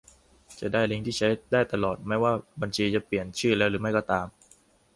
จะได้ลิงก์ที่ใช้ได้ตลอด ไม่ว่าบัญชีจะเปลี่ยนชื่อแล้วหรือไม่ก็ตาม